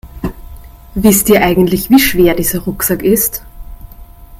Wisst ihr eigentlich, wie schwer dieser Rucksack ist?